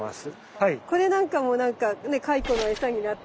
はい。